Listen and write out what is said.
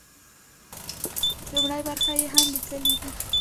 لومړۍ برخه يې هغه ليکنې دي.